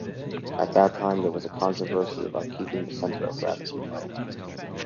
At that time there was a controversy about keeping the centre of gravity low.